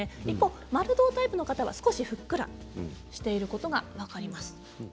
一方、丸胴タイプの方は少しふっくらしていることが分かります。